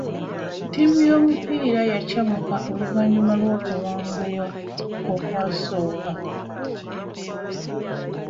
Ttiimu y'omupiira yakyamuka oluvannyuma lw'okuwangulwa okwasooka.